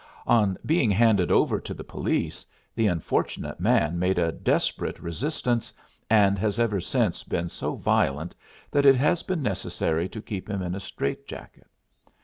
On being handed over to the police, the unfortunate man made a desperate resistance, and has ever since been so violent that it has been necessary to keep him in a strait jacket.